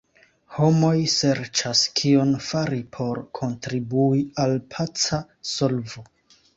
Homoj serĉas, kion fari por kontribui al paca solvo.